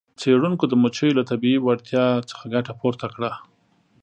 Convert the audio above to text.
څیړونکو د مچیو له طبیعي وړتیا څخه ګټه پورته کړه.